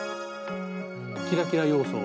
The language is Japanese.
キラキラ要素。